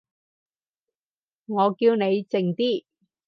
我叫你靜啲